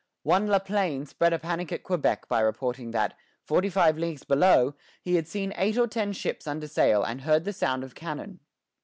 One La Plaine spread a panic at Quebec by reporting that, forty five leagues below, he had seen eight or ten ships under sail and heard the sound of cannon.